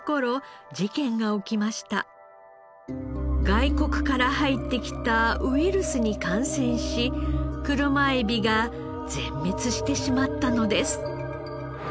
外国から入ってきたウイルスに感染し車エビが全滅してしまったのです。